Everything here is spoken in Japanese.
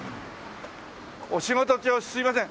お仕事中すいません。